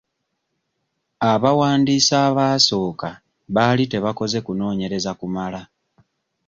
Abawandiisi abaasooka baali tebakoze kunoonyereza kumala.